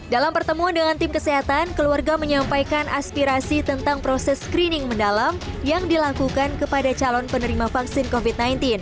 dalam pertemuan dengan tim kesehatan keluarga menyampaikan aspirasi tentang proses screening mendalam yang dilakukan kepada calon penerima vaksin covid sembilan belas